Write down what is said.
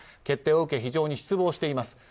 決定を受け非常に失望しています。